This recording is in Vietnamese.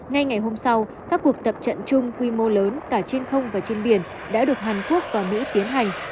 ngay ngày hôm sau các cuộc tập trận chung quy mô lớn cả trên không và trên biển đã được hàn quốc và mỹ tiến hành